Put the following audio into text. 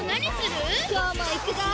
きょうもいくぞ！